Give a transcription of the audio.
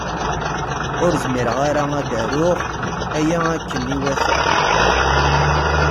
Ur zmireɣ ara ad aruɣ aya akken iwata.